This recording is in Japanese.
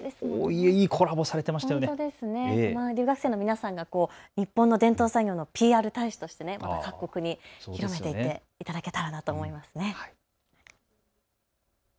留学生の皆さんが日本の伝統産業のＰＲ大使として各国に広めていっていただけたらなと思いますね。